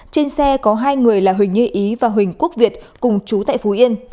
trên xe có hai người là huỳnh như ý và huỳnh quốc việt cùng chú tại phú yên